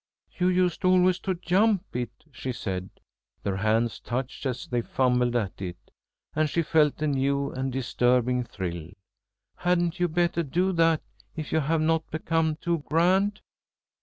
"You used always to jump it," she said. Their hands touched as they fumbled at it, and she felt a new and disturbing thrill. "Hadn't you better do that, if you have not become too grand?"